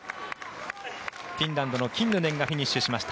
フィンランドのキンヌネンがフィニッシュしました。